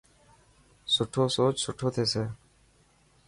سٺو سوچ سٺو ٿيسي.